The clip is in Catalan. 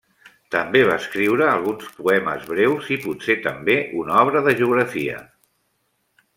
També va escriure alguns poemes breus i potser també una obra de geografia.